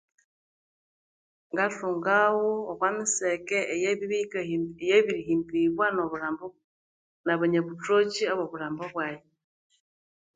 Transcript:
Ngathungaghu okwa miseke ebibya eyabirhimbibwa nobulhaa nabanya buthoki bobulhambu bwaghe